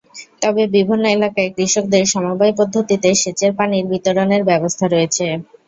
তবে বিভিন্ন এলাকায় কৃষকদের সমবায় পদ্ধতিতে সেচের পানির বিতরণের ব্যবস্থা রয়েছে।